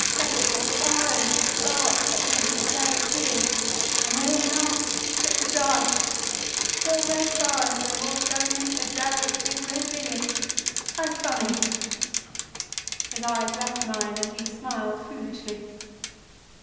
They lit little fires with sparks that went into Dravot's beard, and we all laughed—fit to die. Little red fires they was, going into Dravot's big red beard—so funny." His eyes left mine and he smiled foolishly.